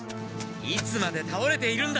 いつまでたおれているんだ。